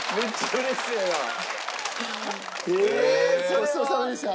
ごちそうさまでした。